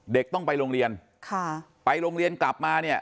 ต้องไปโรงเรียนค่ะไปโรงเรียนกลับมาเนี่ย